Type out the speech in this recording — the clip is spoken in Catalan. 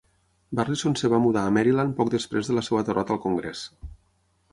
Burlison es va mudar a Maryland poc després de la seva derrota al Congrés.